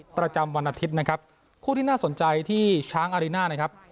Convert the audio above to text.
ประจำวันอาทิตย์นะครับคู่ที่น่าสนใจที่ช้างอารีน่านะครับ